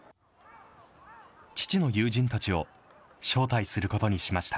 父の友人たちを招待することにしました。